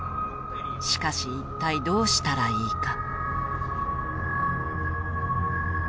しかし一体どうしたらいいか。